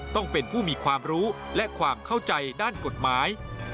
ต้องเป็นผู้มีความรู้และความเข้าใจด้านกฎหมาย